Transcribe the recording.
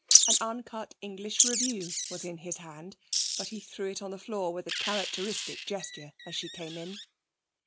An uncut English Review was in his hand, but he threw it on the floor with a characteristic gesture as she came in.